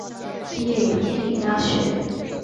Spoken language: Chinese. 毕业于天理大学。